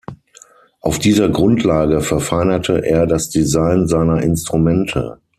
Auf dieser Grundlage verfeinerte er das Design seiner Instrumente.